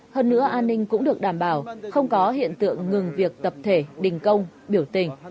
hơn nữa an ninh cũng được đảm bảo không có hiện tượng ngừng việc tập thể đình công biểu tình